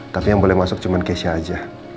tapi yang boleh masuk cuma kesha aja